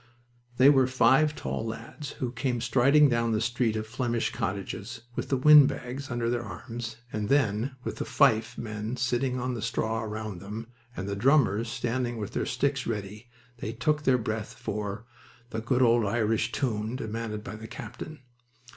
They were five tall lads, who came striding down the street of Flemish cottages, with the windbags under their arms, and then, with the fife men sitting on the straw around them and the drummers standing with their sticks ready, they took their breath for "the good old Irish tune" demanded by the captain.